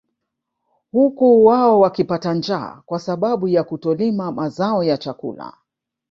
Huku wao wakipata njaa kwa sababu ya kutolima mazao ya chakula